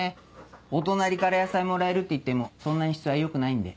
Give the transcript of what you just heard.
お隣から野菜もらえるっていってもそんなに質は良くないんで。